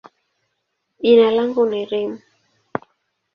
jina langu ni Reem.